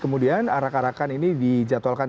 kemudian arak arakan ini dijadwalkan